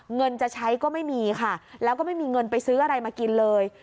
เงินจะใช้ก็ไม่มีค่ะแล้วก็ไม่มีเงินไปซื้ออะไรมากินเลย